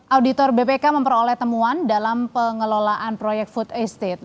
auditor bpk memperoleh temuan dalam pengelolaan proyek food estate